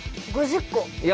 ５０個。